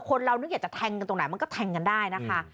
คนเรานึกอยากจะแทงกันตรงไหนมันก็แทงกันได้นะคะ